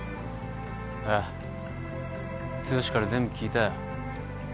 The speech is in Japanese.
ああ剛から全部聞いたよ。